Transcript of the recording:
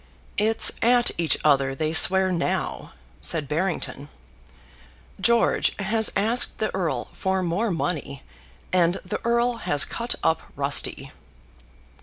"It's at each other they swear now," said Barrington; "George has asked the Earl for more money, and the Earl has cut up rusty."